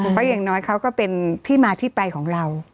เพราะอย่างน้อยเขาก็เป็นที่มาที่ไปของเรา